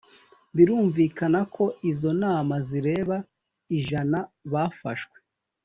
Birumvikana ko izo nama zireba ijana bafashwe